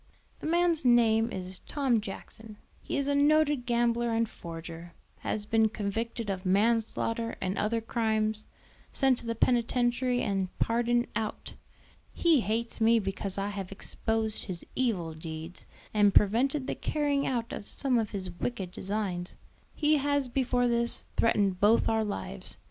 "The man's name is Tom Jackson; he is a noted gambler and forger, has been convicted of manslaughter and other crimes, sent to the penitentiary and pardoned out. He hates me because I have exposed his evil deeds, and prevented the carrying out of some of his wicked designs. He has before this threatened both our lives.